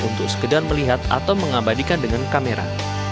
untuk sekedar melihat atau mengabadikan dengan kamera